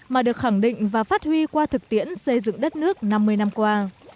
mà được khẳng định và phát huy qua thực tiễn xây dựng đất nước năm mươi năm qua